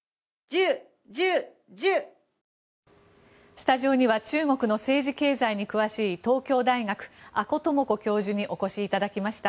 スタジオには中国の政治・経済に詳しい東京大学、阿古智子教授にお越しいただきました。